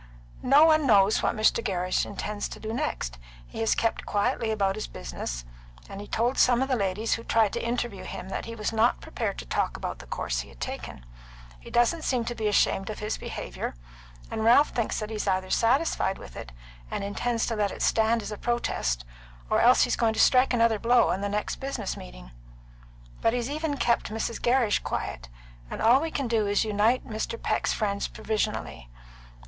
"No one knows what Mr. Gerrish intends to do next. He has kept quietly about his business; and he told some of the ladies who tried to interview him that he was not prepared to talk about the course he had taken. He doesn't seem to be ashamed of his behaviour; and Ralph thinks that he's either satisfied with it, and intends to let it stand as a protest, or else he's going to strike another blow on the next business meeting. But he's even kept Mrs. Gerrish quiet, and all we can do is to unite Mr. Peck's friends provisionally.